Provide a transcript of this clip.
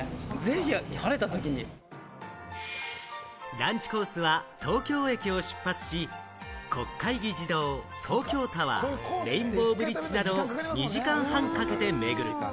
ランチコースは東京駅を出発し、国会議事堂、東京タワー、レインボーブリッジなどを２時間半かけて巡る。